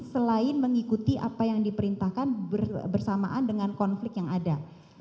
selain mengikuti apa yang diperintahkan bersamaan dengan konflik yang ada